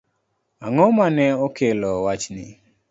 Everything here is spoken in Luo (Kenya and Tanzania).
Ang'o mane okelo wachni?